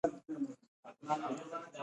د کندز وریجې ډیر خوند لري.